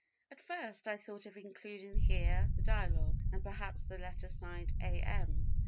At first I thought of including here the Dialogue, and perhaps the letter signed A. M.